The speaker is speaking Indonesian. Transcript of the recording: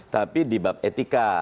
tapi di bab etika